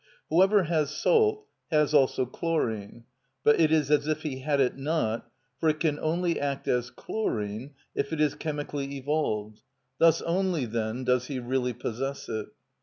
Whoever has salt has also chlorine; but it is as if he had it not, for it can only act as chlorine if it is chemically evolved; thus only, then, does he really possess it.